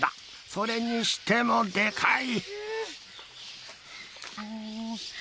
それにしてもでかい。